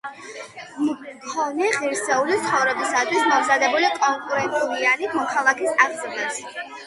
მქონე, ღირსეული ცხოვრებისათვის მომზადებული კონკურენტუნარიანი მოქალაქის აღზრდას,